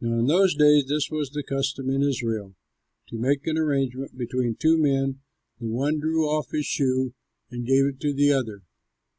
Now in those days this was the custom in Israel: to make an agreement between two men the one drew off his shoe and gave it to the other.